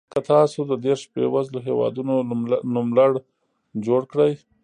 که تاسو د دېرش بېوزلو هېوادونو نوملړ جوړ کړئ.